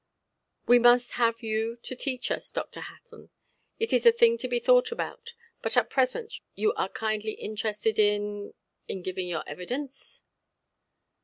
"We must have you to teach us, Dr. Hutton. It is a thing to be thought about. But at present you are kindly interested in—in giving your evidence".